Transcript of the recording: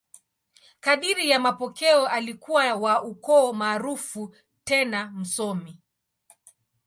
Kadiri ya mapokeo, alikuwa wa ukoo maarufu tena msomi.